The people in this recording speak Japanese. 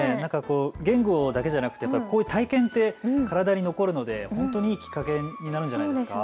言語だけじゃなくてこういう体験って体に残るので本当にいいきっかけになるんじゃないですか。